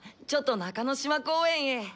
ちょっと中の島公園へ。